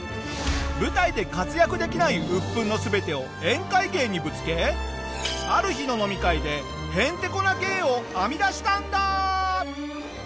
舞台で活躍できないうっぷんの全てを宴会芸にぶつけある日の飲み会でへんてこな芸を編み出したんだ！